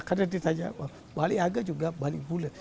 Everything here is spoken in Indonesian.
karena di tajam bali age juga bali mule